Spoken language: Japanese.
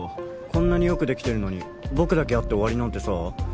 こんなによくできてるのに僕だけやって終わりなんてさ